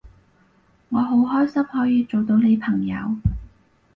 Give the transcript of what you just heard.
我好開心可以做到你朋友